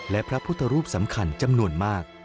และพระพุทธรูปสำคัญจำนวนมาก